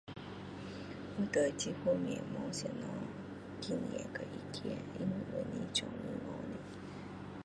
我对这方面没什么经验 [unintelligible]